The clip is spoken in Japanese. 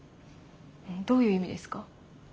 どういう意味ですか？